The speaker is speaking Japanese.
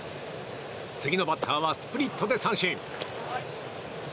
次のバッターはスプリットで三振。